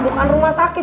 bukan rumah sakit